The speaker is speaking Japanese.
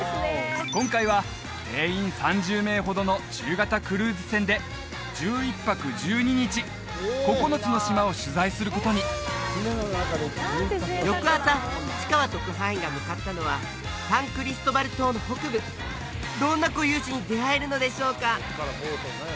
今回は定員３０名ほどの中型クルーズ船で１１泊１２日９つの島を取材することに翌朝市川特派員が向かったのはサンクリストバル島の北部どんな固有種に出会えるのでしょうか？